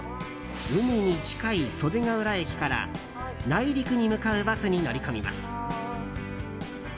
海に近い袖ケ浦駅から内陸に向かうバスに乗り込みます。